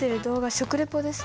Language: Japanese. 食レポですか？